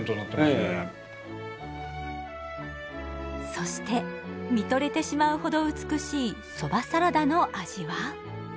そして見とれてしまうほど美しいそばサラダの味は？